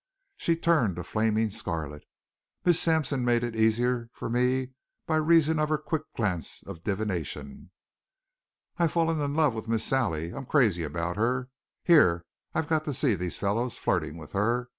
Sally turned a flaming scarlet. Miss Sampson made it easier for me by reason of her quick glance of divination. "I've fallen in love with Miss Sally. I'm crazy about her. Here I've got to see these fellows flirting with her.